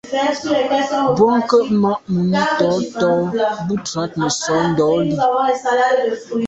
Bwɔ́ŋkə́ʼ mǎʼ mùní tɔ̌ tɔ́ bú trǎt nə̀ sǒ ndǒlî.